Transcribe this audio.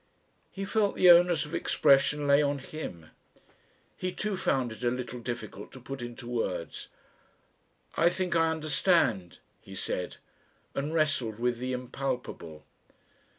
He felt the onus of expression lay on him. He too found it a little difficult to put into words. "I think I understand," he said, and wrestled with the impalpable.